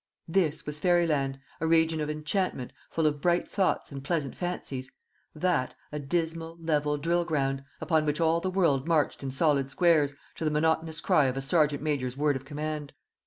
This was fairyland a region of enchantment, fall of bright thoughts and pleasant fancies; that a dismal level drill ground, upon which all the world marched in solid squares, to the monotonous cry of a serjeant major's word of command.